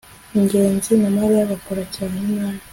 ngenzi na mariya bakora cyane nabi